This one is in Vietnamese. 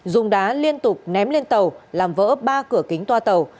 dùng đá liên tục ném lên tàu làm vỡ ba cửa kính toa tàu